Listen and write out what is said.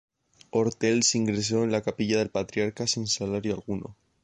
Ortells ingresó en la capilla del Patriarca sin salario alguno.